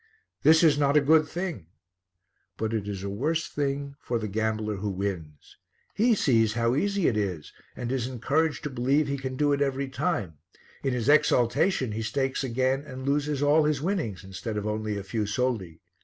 "This is not a good thing"; but it is a worse thing for the gambler who wins. He sees how easy it is and is encouraged to believe he can do it every time; in his exaltation he stakes again and loses all his winnings, instead of only a few soldi.